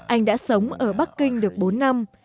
anh đã sống ở bắc kinh được bốn năm